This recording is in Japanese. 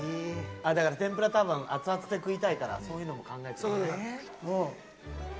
だから天ぷら多分熱々で食いたいからそういうのも考えて。